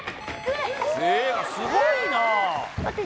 すごいな。